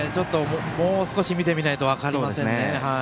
もう少し見てみないと分かりませんね。